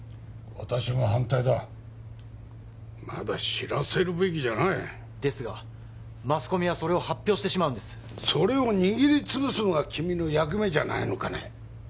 私も反対だまだ知らせるべきじゃないですがマスコミはそれを発表してしまうんですそれを握りつぶすのが君の役目じゃないのかね？